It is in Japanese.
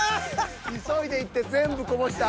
急いで行って全部こぼした。